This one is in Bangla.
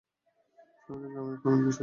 সে আমাদের গ্রামের প্রবীণ কৃষক।